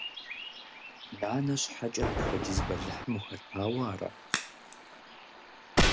Нанэ щхьэкӀэ апхуэдиз бэлыхьым ухэтауэ ара?